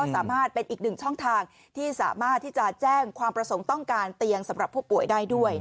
สามารถเป็นอีกหนึ่งช่องทางที่สามารถที่จะแจ้งความประสงค์ต้องการเตียงสำหรับผู้ป่วยได้ด้วย